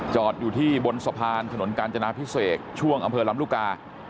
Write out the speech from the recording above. จอดอยู่ที่บนสะพานถนนกาญจนาพิเศษช่วงอำเภอลำลูกกา